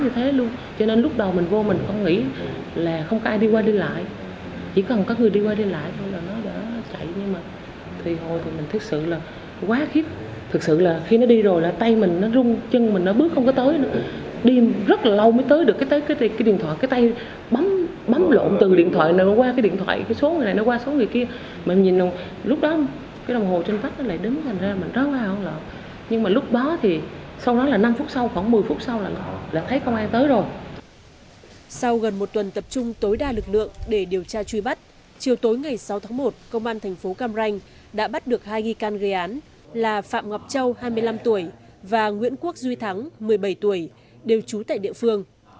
sau gần một tuần tập trung tối đa lực lượng để điều tra truy bắt chiều tối ngày sáu tháng một công an thành phố cam ranh đã bắt được hai ghi can gây án là phạm ngọc châu hai mươi năm tuổi và nguyễn quốc duy thắng một mươi bảy tuổi đều trú tại địa phương